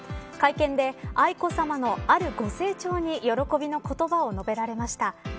会見で、愛子さまのあるご成長に喜びの言葉を述べられました。